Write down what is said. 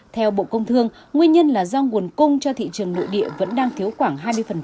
theo bộ công thương nguyên nhân là do nguồn cung cho thị trường nội địa vẫn đang thiếu khoảng hai mươi